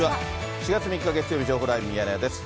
４月３日月曜日、情報ライブミヤネ屋です。